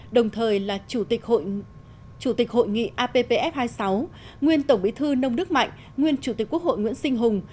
đồng thời là chủ tịch hội nghị appf hai mươi sáu nguyên tổng bí thư nông đức mạnh nguyên chủ tịch quốc hội nguyễn sinh hùng